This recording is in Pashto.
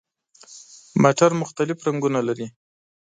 موټر مختلف رنګونه لري.